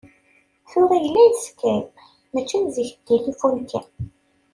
Tura yella Skype, mačči am zik d tilifun kan.